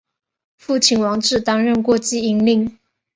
父亲王志担任过济阴令。